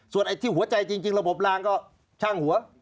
ไอ้ที่หัวใจจริงระบบลางก็ช่างหัว